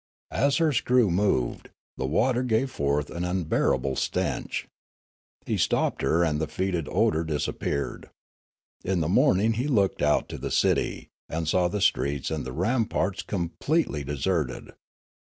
As her screw moved, the water gave forth an unbearable stench. He stopped her and the fetid odour disappeared. In the morning he looked out to the city, and saw the streets and the ramparts completely deserted.